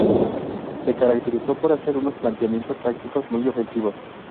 Se caracterizó por hacer unos planteamientos tácticos muy ofensivos.